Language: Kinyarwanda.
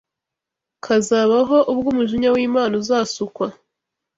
kazabaho ubwo umujinya w’Imana uzasukwa